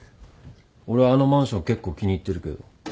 俺あのマンション結構気に入ってるけど。